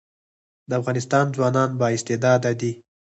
د افغانستان ځوانان با استعداده دي